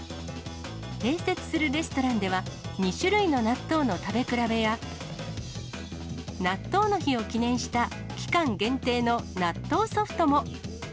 併設するレストランでは、２種類の納豆の食べ比べや、納豆の日を記念した期間限定の納豆ソフトも。